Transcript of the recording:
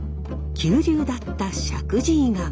急流だった石神井川。